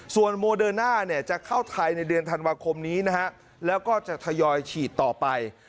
ส่วนโมเดิร์น่าเนี่ยจะเข้าไทยในเดือนธันวาคมนี้นะฮะแล้วก็จะทยอยฉีดต่อไป